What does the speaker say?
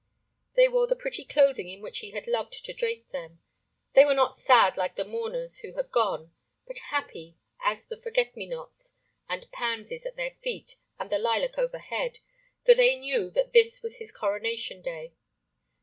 They wore the pretty clothing in which he had loved to drape them; they were not sad like the mourners who had gone, but happy as the forget me nots and pansies at their feet and the lilac overhead, for they knew that this was his coronation day.